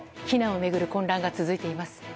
避難を巡る混乱が続いています。